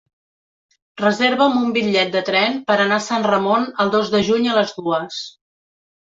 Reserva'm un bitllet de tren per anar a Sant Ramon el dos de juny a les dues.